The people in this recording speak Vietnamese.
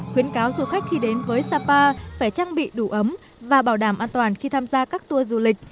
khuyến cáo du khách khi đến với sapa phải trang bị đủ ấm và bảo đảm an toàn khi tham gia các tour du lịch